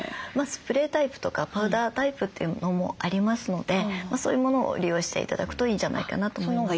スプレータイプとかパウダータイプというのもありますのでそういうものを利用して頂くといいんじゃないかなと思います。